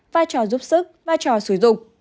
vai trò giúp sức vai trò sử dụng